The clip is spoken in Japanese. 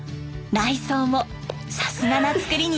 内装もさすがな造りになっています。